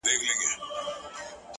دا درېيم ځل دی چي مات زړه ټولوم!!